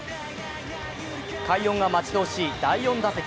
快音が待ち遠しい第４打席。